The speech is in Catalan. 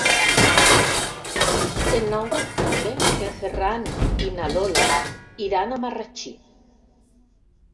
El nou d'octubre en Ferran i na Lola iran a Marratxí.